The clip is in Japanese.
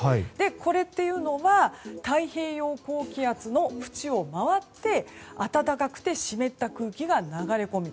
これというのは太平洋高気圧のふちを回って暖かくて湿った空気が流れ込む。